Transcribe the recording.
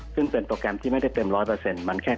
ซึ่งก็เป็นโปรแกรมที่ไม่ได้เต็ม๑๐๐มันแค่๙๓